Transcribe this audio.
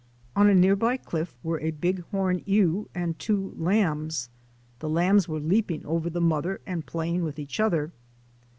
On a near by cliff were a Bighorn ewe and two lambs. The lambs were leaping over the mother and playing with each other.